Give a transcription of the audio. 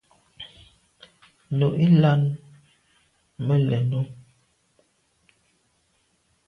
Nu i làn me lèn o.